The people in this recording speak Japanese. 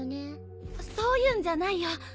そういうんじゃないよ。